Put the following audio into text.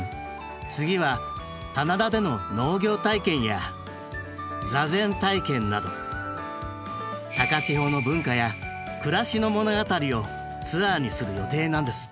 次は棚田での農業体験や座禅体験など高千穂の文化や暮らしの物語をツアーにする予定なんですって。